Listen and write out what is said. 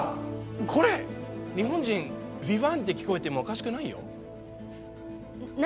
これ日本人ヴィヴァンって聞こえてもおかしくないよ何？